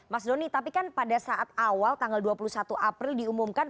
mas doni tapi kan pada saat awal tanggal dua puluh satu april diumumkan